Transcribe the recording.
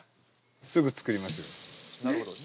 すぐ作ります。